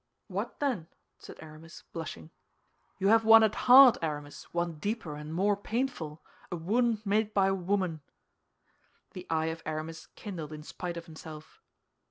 "What, then?" said Aramis, blushing. "You have one at heart, Aramis, one deeper and more painful—a wound made by a woman." The eye of Aramis kindled in spite of himself.